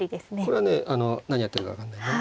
これはね何やってるか分かんないね。